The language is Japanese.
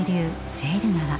シェール川。